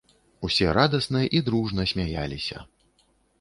Усе радасна і дружна смяяліся.